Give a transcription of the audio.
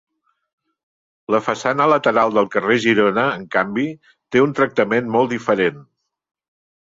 La façana lateral del carrer Girona, en canvi, té un tractament molt diferent.